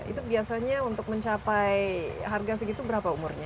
itu biasanya untuk mencapai harga segitu berapa umurnya